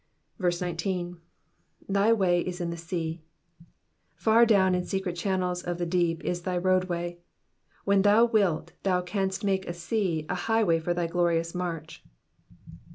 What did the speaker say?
19. "Thy way is in the sea^ Far down in secret channels of the deep is thy roadway ; when thou wilt thou canst make a sea a highway for thy glorious march.